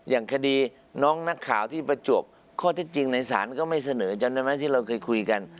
อย่างคดีน้องนักข่าวที่ประจวบข้อที่จริงในศาลก็ไม่เสนอจำได้ไหมที่เราเคยคุยกัน